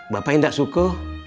bapak tidak suka